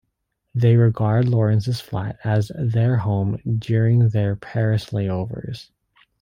They regard Lawrence's flat as their "home" during their Paris layovers.